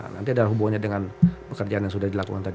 nanti ada hubungannya dengan pekerjaan yang sudah dilakukan tadi